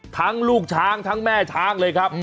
ลูกช้างทั้งแม่ช้างเลยครับ